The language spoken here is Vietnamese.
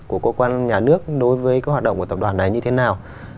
của cơ quan nhà nước đối với các hoạt động của tập đoàn này như thế nào